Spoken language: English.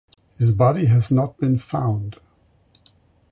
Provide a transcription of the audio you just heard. His body has not been found.